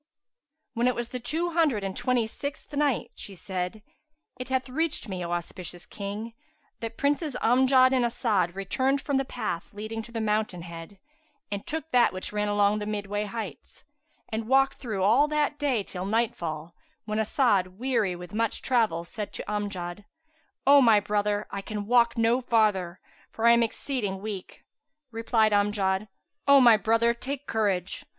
When it was the Two Hundred and Twenty sixth Night, She said, It hath reached me, O auspicious King, that Princes Amjad and As'ad returned from the path leading to the Mountain head and took that which ran along the midway heights, and walked through all that day till nightfall, when As'ad, weary with much travel, said to Amjad, "O my brother, I can walk no farther, for I am exceeding weak." Replied Amjad, "O my brother, take courage!